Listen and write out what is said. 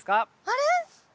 あれ？